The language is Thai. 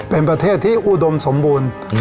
เป็นประเทศที่อุดมสมบูรณ์